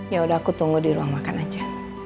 yaudah aku tunggu di ruang makan aja